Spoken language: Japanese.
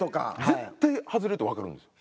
絶対外れるってわかるんですよ。